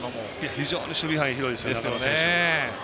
非常に守備範囲広いですよ中野選手。